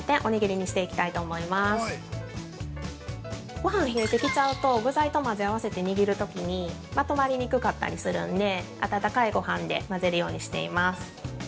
ごはん、冷えてきちゃうと具材と混ぜ合わせて握るときにまとまりにくかったりするんで温かいごはんで混ぜるようにしています。